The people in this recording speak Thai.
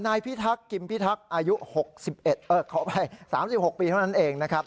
นายพิทักษิมพิทักษ์อายุ๖๑ขออภัย๓๖ปีเท่านั้นเองนะครับ